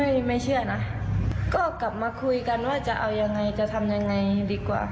ไม่ไม่เชื่อนะก็กลับมาคุยกันว่าจะเอายังไงจะทำยังไงดีกว่า